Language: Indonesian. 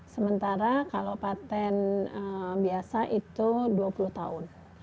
sementara kalau patent biasa itu dua puluh tahun